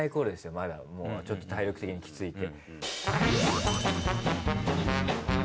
まだちょっと体力的にきついって。